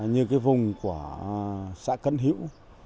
như cái vùng của xã cấn hữu